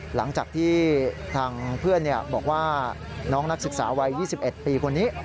หลังจากที่ทางเพื่อนบอกว่าน้องนักศึกษาวัย๒๑ปีคนนี้